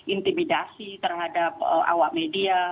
intimidasi terhadap awak media